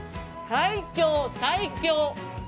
最強、最強！